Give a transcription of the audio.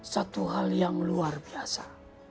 satu hal yang luar biasa